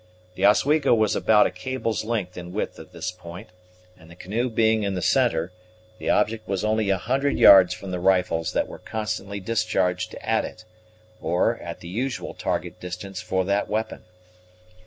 The Oswego was about a cable's length in width at this point, and, the canoe being in the centre, the object was only a hundred yards from the rifles that were constantly discharged at it; or, at the usual target distance for that weapon.